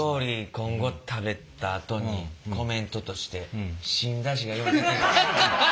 今後食べたあとにコメントとして「芯出しがようできてるわ」。